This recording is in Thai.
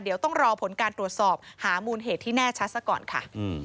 เดี๋ยวต้องรอผลการตรวจสอบหามูลเหตุที่แน่ชัดซะก่อนค่ะ